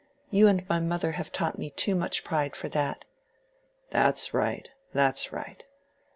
You and my mother have taught me too much pride for that." "That's right—that's right.